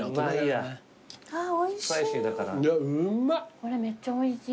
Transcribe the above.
これめっちゃおいしい。